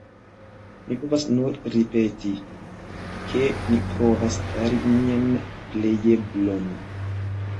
Mi povas nur ripeti, ke ni provas fari nian plejeblon.